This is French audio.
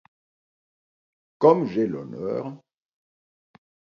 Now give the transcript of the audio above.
Comme j’ai l’honneur.